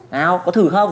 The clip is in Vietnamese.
nào có thử không